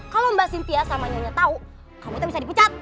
kalau mbak cynthia sama nyonya tau kamu tuh bisa dipucat